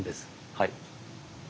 はい。